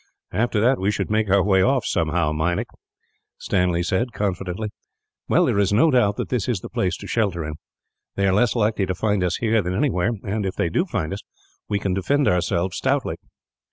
"After that we should make our way off, somehow, Meinik," Stanley said, confidently. "Well, there is no doubt that this is the place to shelter in. They are less likely to find us here than anywhere and, if they do find us, we can defend ourselves stoutly.